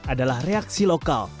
adalah reaksi lokal